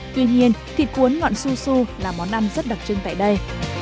tuy nhiên thịt cuốn ngọn su su là món ăn rất đặc trưng tại đây